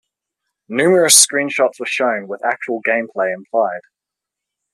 Numerous screen shots were shown, with actual gameplay implied.